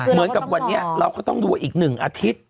เหมือนกับวันนี้เราก็ต้องดูว่าอีก๑อาทิตย์